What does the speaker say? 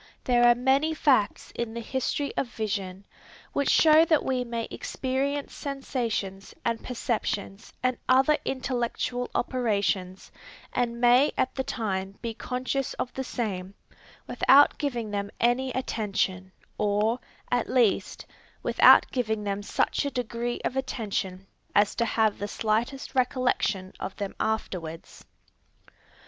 There are many facts in the history of vision, which show that we may experience sensations and perceptions and other intellectual operations, and may at the time be conscious of the same, without giving them any attention, or, at least, without giving them such a degree of attention as to have the slightest recollection of them afterwards.